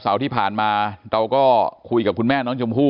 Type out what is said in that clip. ที่ผ่านมาเราก็คุยกับคุณแม่น้องชมพู่